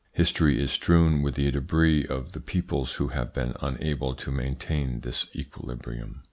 History is strewn with the debris of the peoples who have been unable to maintain this equilibrium.